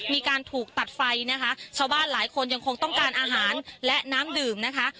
มีการถูกตัดไฟนะคะชาวบ้านหลายคนยังคงต้องการอาหารและน้ำดื่มนะคะ